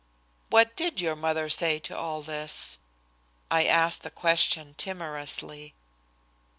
"What did your mother say to all this?" I asked the question timorously.